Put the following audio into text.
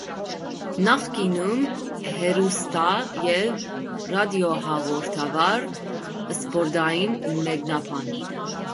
Նախկինում հեռուստա և ռադիոհաղորդավար, սպորտային մեկնաբան։